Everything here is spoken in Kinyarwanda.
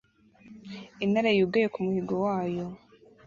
Intare yugaye ku muhigo wayo